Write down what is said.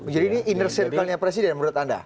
jadi ini inner circle nya presiden menurut anda